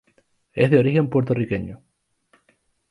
Es de origen puertorriqueño.